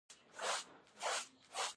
د هرې خښتې وزن دوه اعشاریه پنځه ټنه دی.